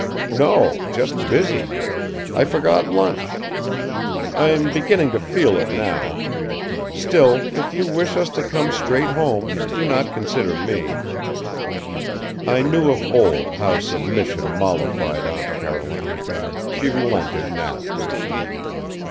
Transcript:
"No; just busy. I forgot lunch. I am beginning to feel it, now. Still, if you wish us to come straight home, do not consider me!" I knew of old how submission mollified Aunt Caroline. She relented, now.